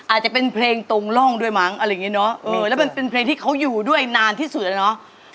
อาจจะเป็นเพลงตรงร่องด้วยมั้งอะไรอย่างเงี้เนอะเออแล้วมันเป็นเพลงที่เขาอยู่ด้วยนานที่สุดแล้วเนอะ